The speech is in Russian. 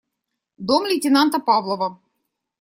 Дом лейтенанта Павлова.